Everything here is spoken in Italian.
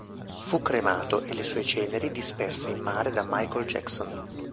Fu cremato e le sue ceneri disperse in mare da Michael Jackson.